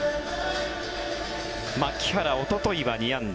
牧原、おとといは２安打。